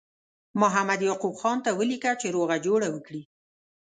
محمد یعقوب خان ته ولیکه چې روغه جوړه وکړي.